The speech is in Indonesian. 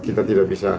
kita tidak bisa tenang